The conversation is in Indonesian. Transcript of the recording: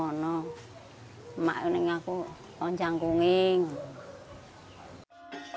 kalau tidak saya ingin janggung lagi